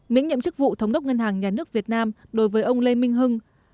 miễn nhiệm chức vụ thống đốc ngân hàng nhà nước việt nam đối với ông lê minh hưng